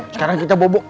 sekarang kita bobo